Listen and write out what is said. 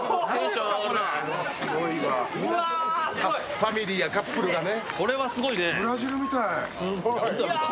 ファミリーやカップルがね。